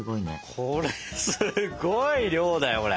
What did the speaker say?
これすごい量だよこれ。